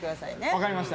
分かりました。